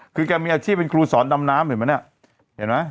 คือแกมีอาชีพเป็นครูสอนดำน้ำเห็นไหมเนี่ยเห็นไหม